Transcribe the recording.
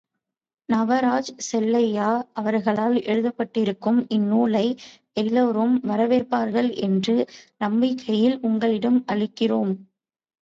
நவராஜ் செல்லையா அவர்களால் எழுதப்பட்டிருக்கும் இந்நூலை, எல்லோரும் வரவேற்பார்கள் என்ற நம்பிக்கையில் உங்களிடம் அளிக்கிறோம்.